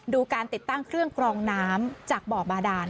การติดตั้งเครื่องกรองน้ำจากบ่อบาดาน